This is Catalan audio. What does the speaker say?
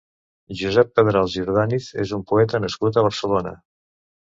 Josep Pedrals i Urdàniz és un poeta nascut a Barcelona.